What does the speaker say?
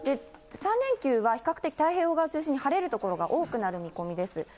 ３連休は比較的、太平洋側を中心に晴れる所が多くなる見込みです。